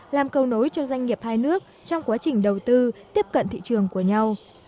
làm cầu nối cho doanh nghiệp hai nước trong quá trình đầu tư tiếp cận thị trường của nhau